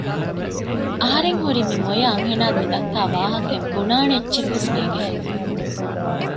އަހަރެން ހުރީ މި މޮޔަ އަންހެނާ މިދައްކާ ވާހައިން ބުނާނެ އެއްޗެއްވެސް ނޭންގިފަ